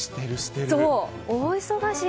大忙し！